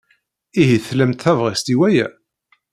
Ihi tlamt tabɣest i waya?